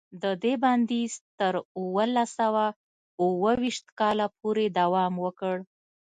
د دې بندیز تر اوولس سوه اوه ویشت کاله پورې دوام وکړ.